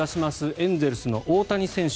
エンゼルスの大谷選手